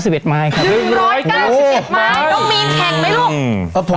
๑๙๑ไม้น้องมีนแข่งไหมลูก